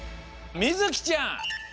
みずきちゃん